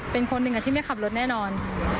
เป็นคนหนึ่งที่ไม่ขับรถแน่นอน